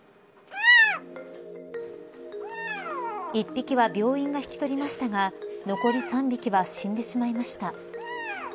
１匹は病院が引き取りましたが残り３匹は死んでしまいました。